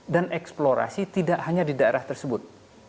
dan eksplorasi tidak hanya di daerah tersebut